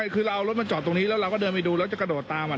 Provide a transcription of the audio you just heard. คือเราเอารถมาจอดตรงนี้แล้วเราก็เดินไปดูแล้วจะกระโดดตาม